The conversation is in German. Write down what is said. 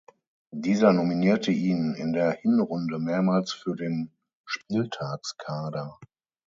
Dieser nominierte ihn in der Hinrunde mehrmals für den Spieltagskader.